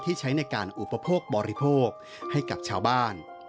ใช้ในการอุปโภคบริโภคให้กับชาวบ้าน